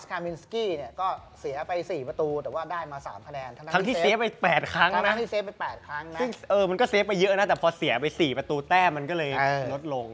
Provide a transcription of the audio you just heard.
ซึ่งมันก็เซฟไปเยอะนะแต่พอเสียไป๔ประตูแต้มมันก็เลยลดลง